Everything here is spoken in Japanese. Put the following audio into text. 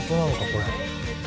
これ。